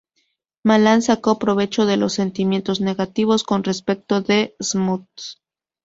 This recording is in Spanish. Malan sacó provecho de los sentimientos negativos con respecto de Smuts.